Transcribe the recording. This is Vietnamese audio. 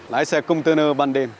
lái xe công tư nư ban đêm